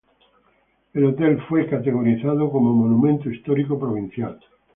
El hotel fue categorizado como Monumento Histórico Provincial.